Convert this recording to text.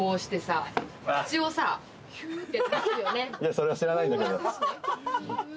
それは知らないんだけど。